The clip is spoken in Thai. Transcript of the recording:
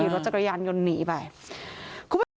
ขอบคุณครับ